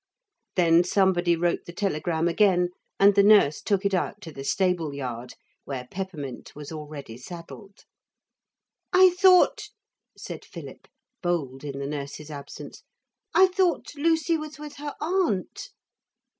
Then somebody wrote the telegram again, and the nurse took it out to the stable yard, where Peppermint was already saddled. 'I thought,' said Philip, bold in the nurse's absence, 'I thought Lucy was with her aunt.'